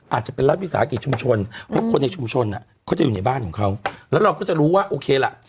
อาจจะเป็นรัฐวิสาหกิจชุมชนเพราะคนในชุมชนอ่ะเขาจะอยู่ในบ้านของเขาแล้วเราก็จะรู้ว่าโอเคล่ะ